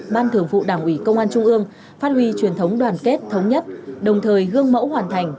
ban thường vụ đảng ủy công an trung ương phát huy truyền thống đoàn kết thống nhất đồng thời gương mẫu hoàn thành